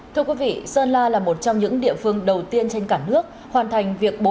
thưa quý vị sơn la là một trong những địa phương đầu tiên trên cả nước hoàn thành việc bổ sung